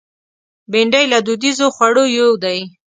بېنډۍ له دودیزو خوړو یو دی